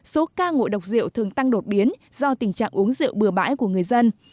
số ca ngộ độc rượu thường tăng đột biến do tình trạng uống rượu bừa bãi của người dân